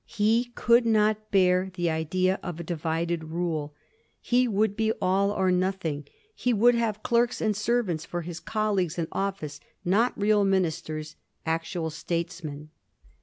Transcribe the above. He could not bear the idea of a divided rule ; he would be all or nothing ; he would have clerks and servants for his colleagues in office ; not real ministers, actual statesmen.